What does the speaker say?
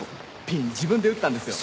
ピン自分で打ったんですよ。